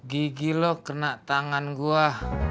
gigi lo kena tangan gue